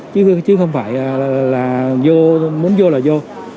chứ không phải là muốn vô là vô